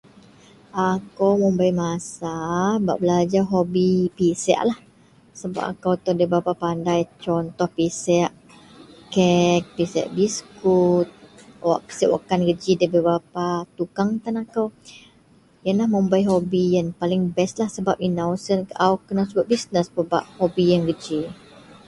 Aku mun bei Masa belajar hobi pisek sebab aku da berapa pandai contoh pisek kek, pisek biskut pisek wakkan keji do a berapa tukang tan aku.inou mun bei hobby kaau kena turut Baih yian le kena ja business.